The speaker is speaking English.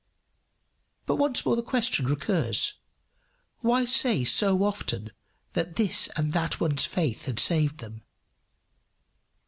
But once more the question recurs: Why say so often that this and that one's faith had saved him?